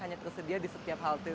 hanya tersedia di setiap halte